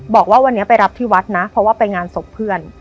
บอกว่าวันนี้ไปรับที่วัดนะเพราะว่าไปงานศพเพื่อน